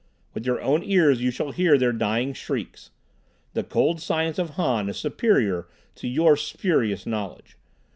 With your own ears you shall hear their dying shrieks. The cold science of Han is superior to your spurious knowledge.